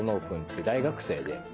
君って大学生で。